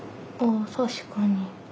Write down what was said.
あ確かに。